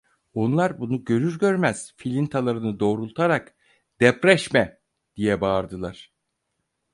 Onlar bunu görür görmez filintalarını doğrultarak: "Depreşme!" diye bağırdılar…